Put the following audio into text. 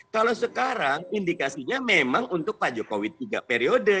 kalau sekarang indikasinya memang untuk pak jokowi tiga periode